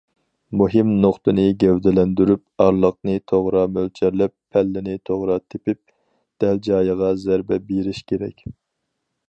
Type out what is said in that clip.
مۇھىم نۇقتىنى گەۋدىلەندۈرۈپ، ئارىلىقنى توغرا مۆلچەرلەپ، پەللىنى توغرا تېپىپ، دەل جايىغا زەربە بېرىش كېرەك.